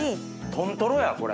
豚トロやこれ。